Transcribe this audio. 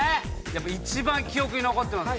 やっぱ一番記憶に残ってます